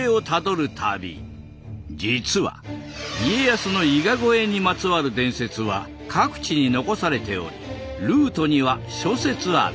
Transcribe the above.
実は家康の伊賀越えにまつわる伝説は各地に残されておりルートには諸説ある。